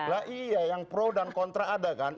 lah iya yang pro dan kontra ada kan